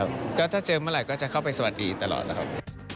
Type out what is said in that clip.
ก็ถ้าเจอเมื่อไหร่ก็จะเข้าไปสวัสดีตลอดนะครับ